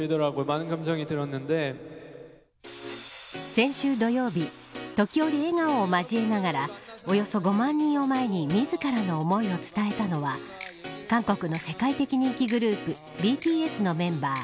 先週土曜日時折笑顔を交えながらおよそ５万人を前に自らの思いを伝えたのは韓国の世界的人気グループＢＴＳのメンバー